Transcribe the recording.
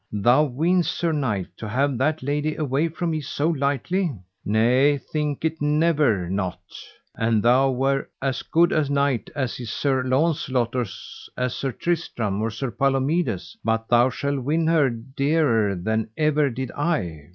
Thou weenest, sir knight, to have that lady away from me so lightly? nay, think it never not; an thou were as good a knight as is Sir Launcelot, or as is Sir Tristram, or Sir Palomides, but thou shalt win her dearer than ever did I.